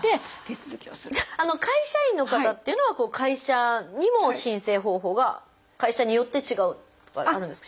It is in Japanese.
会社員の方っていうのは会社にも申請方法が会社によって違うとかあるんですか？